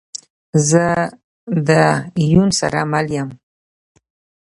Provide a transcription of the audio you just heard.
زه ده یون سره مل یم